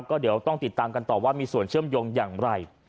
ก็เดี๋ยวต้องติดตามกันต่อว่ามีส่วนเชื่อมโยงอย่างไร